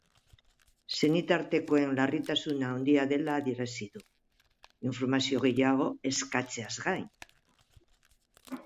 Senitartekoen larritasuna handia dela adierazi du, informazio gehiago eskatzeaz gain.